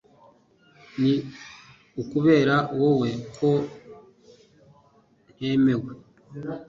Ni ukubera wowe ko ntemewe